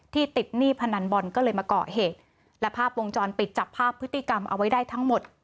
ติดหนี้พนันบอลก็เลยมาเกาะเหตุและภาพวงจรปิดจับภาพพฤติกรรมเอาไว้ได้ทั้งหมด